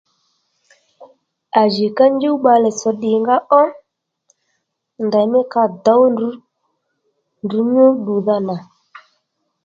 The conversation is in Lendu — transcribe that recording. À jì ka njúw bbalè tsò ddìnga ó ndèymí ka dǒw ndrǔ ndrǔ nyú ddùdha nà